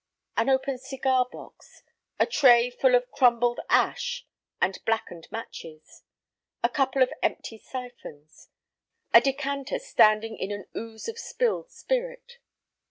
An open cigar box, a tray full of crumbled ash and blackened matches, a couple of empty syphons, a decanter standing in an ooze of spilled spirit.